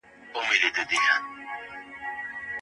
په مقطعاتو حروفو کي د قومونو مدې او نېټې نغښتي دي.